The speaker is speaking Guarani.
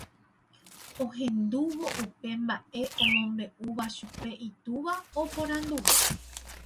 Ohendúvo upe mba'e omombe'úva chupe itúva oporanduve.